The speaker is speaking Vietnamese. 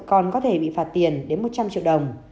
còn có thể bị phạt tiền đến một trăm linh triệu đồng